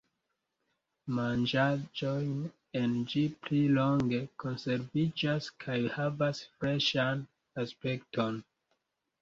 Manĝaĵoj en ĝi pli longe konserviĝas kaj havas freŝan aspekton.